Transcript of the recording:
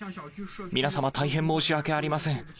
皆様、大変申し訳ありません。